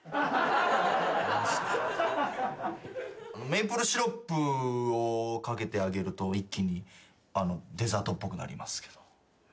メープルシロップを掛けてあげると一気にデザートっぽくなりますけど。